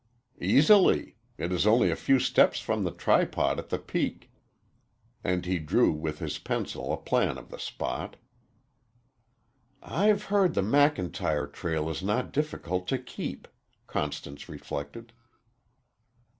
"Easily. It is only a few steps from the tripod at the peak," and he drew with his pencil a plan of the spot. "I've heard the McIntyre trail is not difficult to keep," Constance reflected.